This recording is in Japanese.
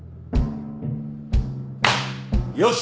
よし！